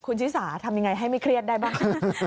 คุณชิสาทำยังไงให้ไม่เครียดได้บ้าง